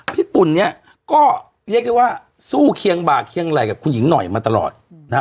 ปุ่นเนี่ยก็เรียกได้ว่าสู้เคียงบ่าเคียงไหล่กับคุณหญิงหน่อยมาตลอดนะฮะ